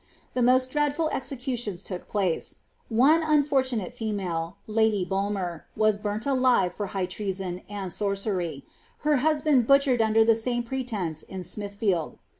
The raosi dreadful execii> tions look place ; one unfortunate female, lady Bulmer, was burnt alive for high treason and sorcery, and her husband butcheretl under ihe miM pretence in Smithfield.